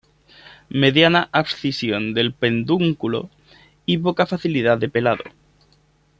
Mediana abscisión del pedúnculo y poca facilidad de pelado.